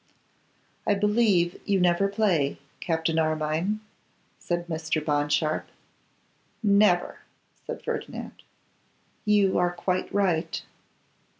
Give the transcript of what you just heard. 'I believe you never play, Captain Armine,' said Mr. Bond Sharpe. 'Never,' said Ferdinand. 'You are quite right.